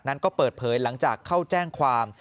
นั้นก็เปิดเผยหลังจากเข้าแจ้งความ